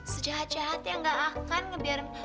sejahat jahat yang gak akan